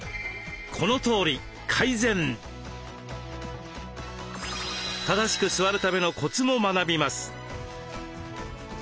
このとおり改善。正しく座るためのコツも学びます。